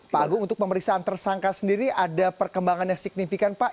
pak agung untuk pemeriksaan tersangka sendiri ada perkembangan yang signifikan pak